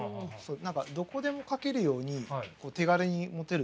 何かどこでも描けるようにこう手軽に持てる。